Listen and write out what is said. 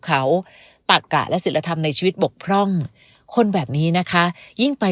เขาตักกะและศิลธรรมในชีวิตบกพร่องคนแบบนี้นะคะยิ่งไป